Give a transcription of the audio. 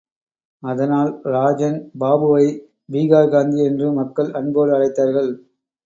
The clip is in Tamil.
அதனால், ராஜன் பாபுவை பீகார் காந்தி என்று மக்கள் அன்போடு அழைத்தார்கள்.